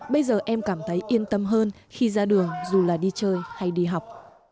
bây giờ em cảm thấy yên tâm hơn khi ra đường dù là đi chơi hay đi học